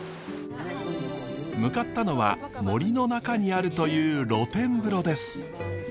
向かったのは森の中にあるという露天風呂です。